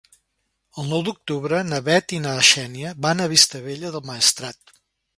El nou d'octubre na Bet i na Xènia van a Vistabella del Maestrat.